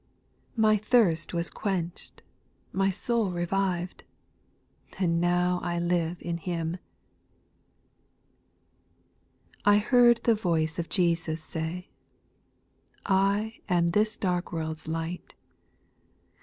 My thirst was qucnchM, my soul revived, And now I live in Him. 8. I heard the voice of Jesus say, I am this dark world's light.